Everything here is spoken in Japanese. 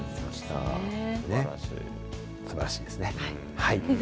すばらしいですね。